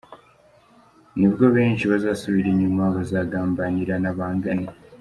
Ni bwo benshi bazasubira inyuma, bazagambanirana bangane.